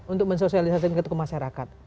untuk mensosialisasikan ke masyarakat